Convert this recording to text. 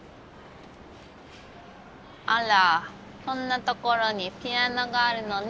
あらこんなところにピアノがあるのね。